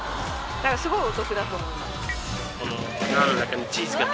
すごいお得だと思います。